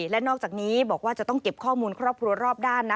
และนอกจากนี้บอกว่าจะต้องเก็บข้อมูลครอบครัวรอบด้านนะ